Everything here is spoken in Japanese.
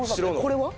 これは？